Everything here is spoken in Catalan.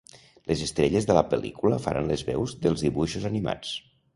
Les estrelles de la pel·lícula faran les veus dels dibuixos animats.